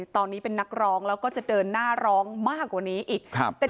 ตอนนี้เป็นนักร้องแล้วก็จะเดินหน้าร้องมากกว่านี้อีกครับ